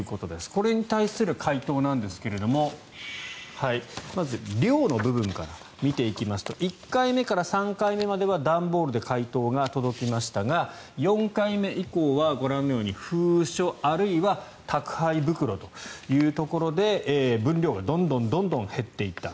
これに対する回答なんですがまず量の部分から見ていきますと１回目から３回目までは段ボールで回答が届きましたが４回目以降はご覧のように封書あるいは宅配袋というところで分量がどんどん減っていった。